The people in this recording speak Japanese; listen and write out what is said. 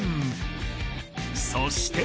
［そして］